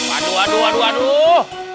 aduh aduh aduh aduh